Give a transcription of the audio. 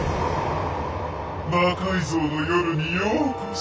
「魔改造の夜」にようこそ。